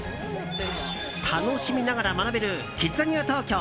楽しみながら学べるキッザニア東京。